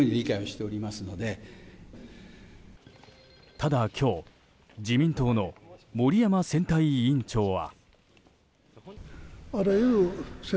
ただ今日自民党の森山選対委員長は。